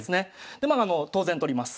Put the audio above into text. でまあ当然取ります。